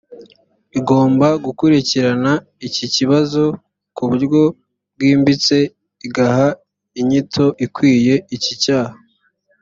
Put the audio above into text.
igomba gukurikirana iki kibazo ku buryo bwimbitse igaha inyito ikwiye iki cyaha